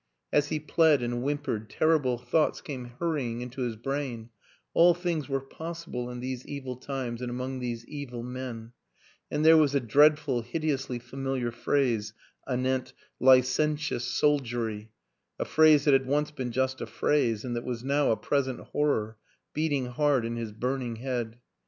As he pled and whimpered terrible thoughts came hurrying into his brain; all things were possible in these evil times and among these evil men and there was a dreadful, hideously familiar phrase anent " licentious soldiery "; a phrase that had once been just a phrase and that was now a present horror beating hard in his burning head.